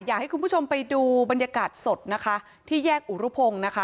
อยากให้คุณผู้ชมไปดูบรรยากาศสดที่แยกอุโรพง